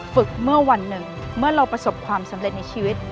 ฝึกเมื่อวันหนึ่งเมื่อเราประสบความสำเร็จในชีวิต